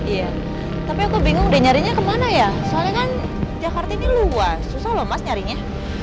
iya tapi aku bingung udah nyarinya kemana ya soalnya kan jakarta ini luas susah loh mas nyarinya